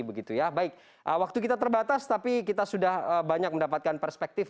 baik waktu kita terbatas tapi kita sudah banyak mendapatkan perspektif